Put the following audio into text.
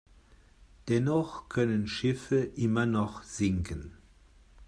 Dennoch können Schiffe immer noch sinken.